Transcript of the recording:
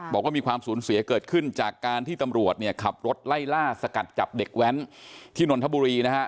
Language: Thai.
บอกว่ามีความสูญเสียเกิดขึ้นจากการที่ตำรวจเนี่ยขับรถไล่ล่าสกัดจับเด็กแว้นที่นนทบุรีนะฮะ